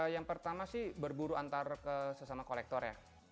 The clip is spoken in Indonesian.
yang pertama sih berburu antar sesama kolektor ya